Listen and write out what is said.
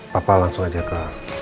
papa langsung aja ke